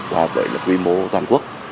và với quy mô toàn quốc